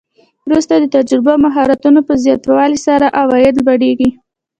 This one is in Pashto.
وروسته د تجربو او مهارتونو په زیاتوالي سره عواید لوړیږي